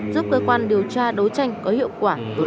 giúp cơ quan điều tra đấu tranh có hiệu quả đối lại tội phạm này